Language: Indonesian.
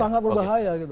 sangat berbahaya gitu